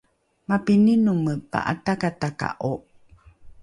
mapinomi pa’atakataka’o?